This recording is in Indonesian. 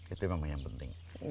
itu memang yang penting